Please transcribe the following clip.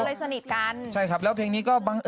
เพราะว่าใจแอบในเจ้า